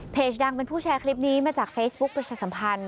ดังเป็นผู้แชร์คลิปนี้มาจากเฟซบุ๊คประชาสัมพันธ์